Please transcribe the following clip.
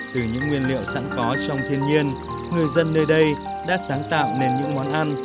từ những nguyên liệu sẵn có trong thiên nhiên người dân nơi đây đã sáng tạo nên những món ăn